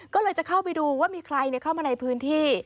ก็เลยจะเข้าไปดูว่ามีใครเข้ามาในพื้นที่